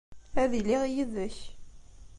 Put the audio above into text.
Ad iliɣ yid-k.